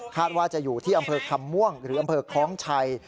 ว่าจะอยู่ที่อำเภอคำม่วงหรืออำเภอคล้องชัย